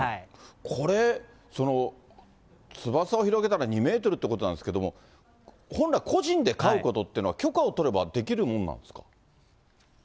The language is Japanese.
これ、翼を広げたら２メートルってことなんですけども、本来、個人で飼うことっていうのは許可を取ればできるもんなんですか。